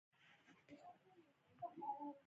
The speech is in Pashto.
بدې خبرې کرکه پیدا کوي.